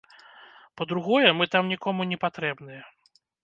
Па-другое, мы там нікому не патрэбныя.